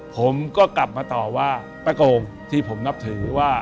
ผมก็กลับมาต่อว่าป้าโกงที่ผมนับถือว่า